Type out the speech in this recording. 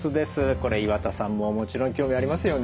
これ岩田さんももちろん興味ありますよね？